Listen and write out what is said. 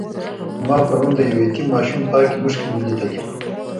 ما پرون د یو یتیم ماشوم پاکې اوښکې ولیدلې.